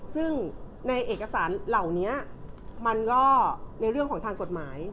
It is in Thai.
ซึ่งในเอกสารเหล่านี้มันก็ในเรื่องของทางกฎหมาย